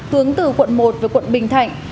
tướng từ quận một về quận bình thạnh